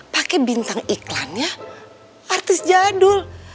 pakai bintang iklannya artis jadul